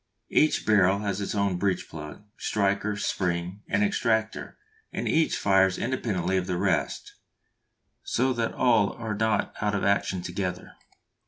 Each barrel has its own breech plug, striker, spring, and extractor, and each fires independently of the rest, so that all are not out of action together.